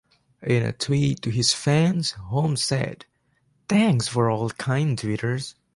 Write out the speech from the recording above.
In a tweet to his fans Holmes said: Thanks for all kind twitters.